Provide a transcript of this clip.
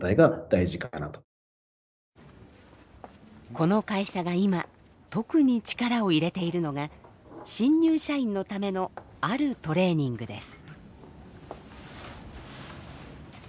この会社が今特に力を入れているのが新入社員のためのあるトレーニングです。